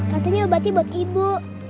katanya obatnya buat ibu